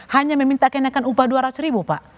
hanya meminta kenakan upah dua ratus ribu